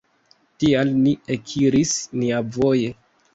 Tial ni ekiris niavoje.